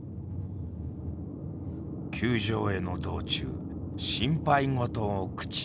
球場への道中心配事を口にした。